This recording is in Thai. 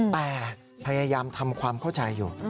แต่พยายามทำความเข้าใจอยู่